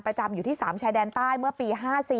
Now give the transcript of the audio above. ประจำอยู่ที่๓ชายแดนใต้เมื่อปี๕๔